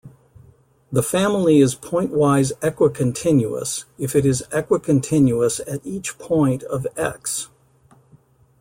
The family is pointwise equicontinuous if it is equicontinuous at each point of "X".